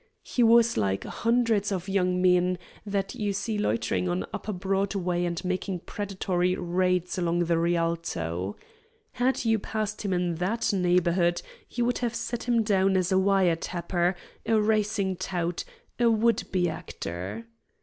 He was like hundreds of young men that you see loitering on upper Broadway and making predatory raids along the Rialto. Had you passed him in that neighborhood you would have set him down as a wire tapper, a racing tout, a would be actor.